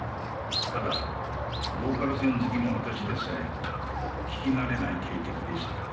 ただローカル線好きの私でさえ聞きなれない警笛でした。